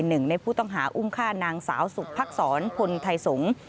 หนึ่งในผู้ต้องหาอุ้มฆ่านางสาวสุภักษรพลไทยสงศ์